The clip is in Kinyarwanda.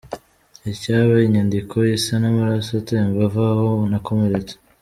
Ikaba inyandiko isa n’amaraso atemba ava aho nakomeretse.